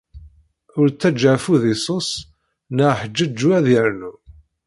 Ur ttaǧǧa afud iṣuṣ neɣ ḥǧeǧǧu ad yernu.